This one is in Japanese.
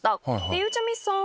ゆうちゃみさん